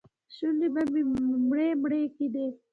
شونډې به مې مرۍ مرۍ کېدې.